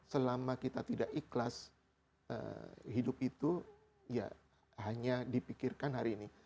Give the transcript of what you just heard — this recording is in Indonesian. selama kita tidak ikhlas hidup itu ya hanya dipikirkan hari ini